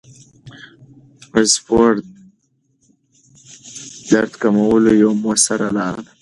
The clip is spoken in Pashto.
سپورت د درد کمولو یوه موثره لاره ده.